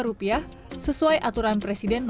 kepala pembangunan jkn mengatakan